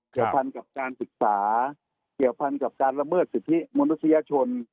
เกี่ยวพันกับการศึกษาเกี่ยวพันกับการละเมิดสิทธิมนุษยชน